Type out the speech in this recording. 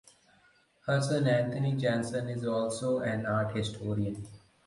Her son Anthony Janson is also an art historian.